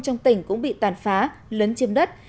trong tỉnh cũng bị tàn phá lấn chiếm đất